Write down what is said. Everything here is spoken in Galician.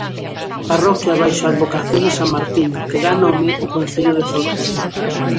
Parroquia baixo a advocación de san Martiño que dá nome ao concello de Forcarei.